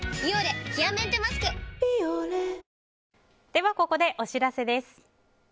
では、ここでお知らせです。